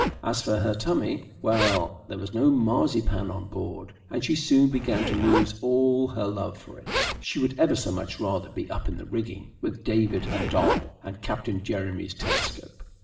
As for her tummy well, there was no marzipan on board, and she soon began to lose all her love for it. She would ever so much rather be up in the rigging with David her doll and Captain Jeremy's telescope.